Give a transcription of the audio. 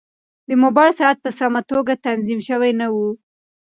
د موبایل ساعت په سمه توګه تنظیم شوی نه و.